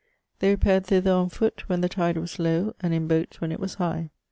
They repaired thither on foot when the tide was low, and in boats when it was high.